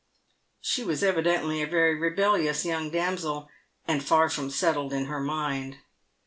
She was evidently a very rebellious young damsel, and far from settled in her mind.